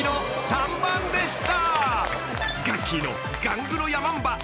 ３番でした。